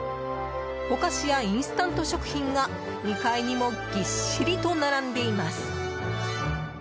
お菓子やインスタント食品が２階にもぎっしりと並んでいます。